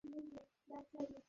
কোথায় আছে মানে?